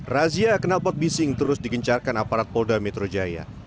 razia kenalpot bising terus digencarkan aparat polda metro jaya